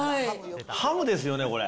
ハムですよね、これ。